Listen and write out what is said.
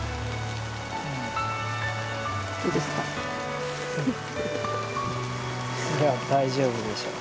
いや大丈夫でしょ。